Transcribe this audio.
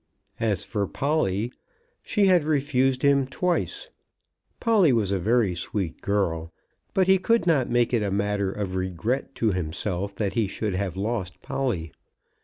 As for Polly, she had refused him twice. Polly was a very sweet girl, but he could not make it matter of regret to himself that he should have lost Polly.